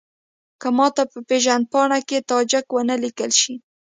که ماته په پېژندپاڼه کې تاجک ونه لیکل شي.